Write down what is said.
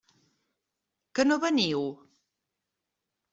Que no veniu?